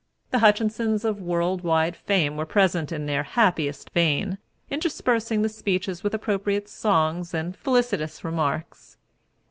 The Hutchinsons of worldwide fame were present in their happiest vein, interspersing the speeches with appropriate songs and felicitous remarks.